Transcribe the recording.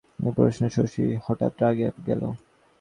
এ প্রশ্নে শশী হঠাৎ রাগিয়া গেল।